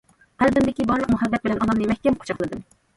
قەلبىمدىكى بارلىق مۇھەببەت بىلەن ئانامنى مەھكەم قۇچاقلىدىم.